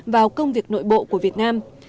vào công việc nội bộ của việt nam